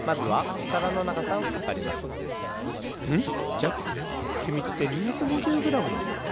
ジャックきみって２２０グラムなんだね。